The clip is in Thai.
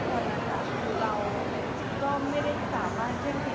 แสดงว่าเมื่อกับคนเก่านี้เรื่องรายทางก็มีปวด